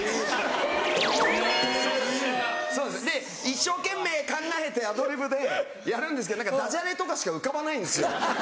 一生懸命考えてアドリブでやるんですけどダジャレとかしか浮かばないんですよ！